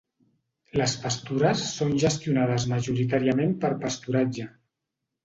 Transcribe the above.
Les pastures són gestionades majoritàriament per pasturatge.